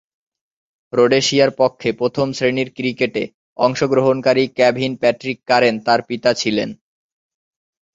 রোডেশিয়ার পক্ষে প্রথম-শ্রেণীর ক্রিকেটে অংশগ্রহণকারী কেভিন প্যাট্রিক কারেন তার পিতা ছিলেন।